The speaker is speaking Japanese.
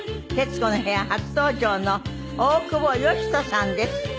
『徹子の部屋』初登場の大久保嘉人さんです。